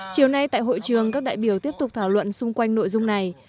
chiều nay tại hội trường các đại biểu tiếp tục thảo luận xung quanh nội dung này